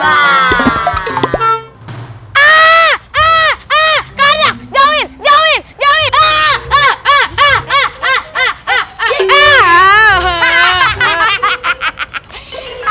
kadang jauhin jauhin jauhin